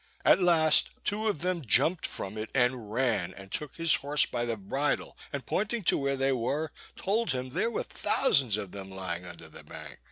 At last, two of them jumped from it, and ran, and took his horse by the bridle, and pointing to where they were, told him there were thousands of them lying under the bank.